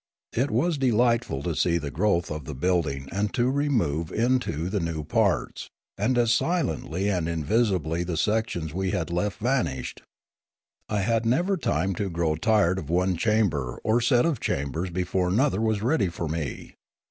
It was delightful to see the growth of the building and to remove into the new parts; and as silently and invisibly the sections we had left vanished. I had never time to grow tired of one chamber or set of chambers before another was ready for me.